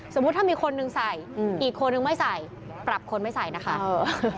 สมมุติถ้ามีคนหนึ่งใส่อืมอีกคนนึงไม่ใส่ปรับคนไม่ใส่นะคะเออ